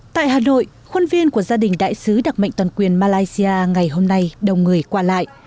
tại hà nội khuôn viên của gia đình đại sứ đặc mệnh toàn quyền malaysia ngày hôm nay đồng người qua lại